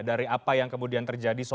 dari apa yang kemudian terjadi soal ini